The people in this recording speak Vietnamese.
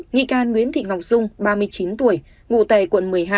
nghị can nguyễn thị ngọc dung ba mươi chín tuổi ngụ tè quận một mươi hai